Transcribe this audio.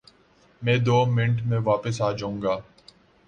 میں دو منٹ میں واپس آ جاؤں گا